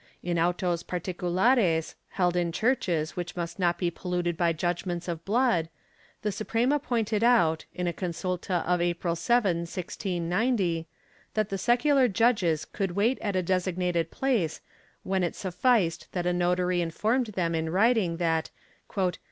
In autos 'particular es, held in churches which must not be polluted by judgements of blood, the Suprema pointed out, in a consulta of April 7, 1690, that the secular judges could wait at a designated place, when it sufficed that a notary informed them in writing that "N.